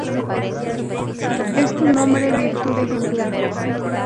Es tu nombre virtud ejemplar.